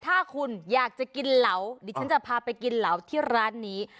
ถ้าคุณอยากจะกินเหลาดิฉันจะพาไปกินเหลาที่ร้านนี้